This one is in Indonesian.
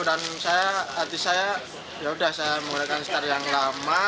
dan hati saya yaudah saya menggunakan star yang lama